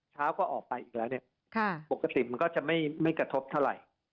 เช้าก็ออกไปอีกแล้วเนี่ยปกติมันก็จะไม่กระทบเท่าไหร่